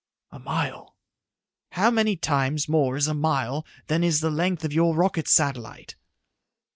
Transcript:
"A mile." "How many times more is a mile than is the length of your rocket satellite?"